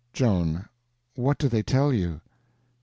"Joan, what do they tell you?"